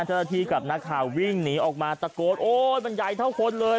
เจ้าหน้าที่กับนักข่าววิ่งหนีออกมาตะโกนโอ๊ยมันใหญ่เท่าคนเลย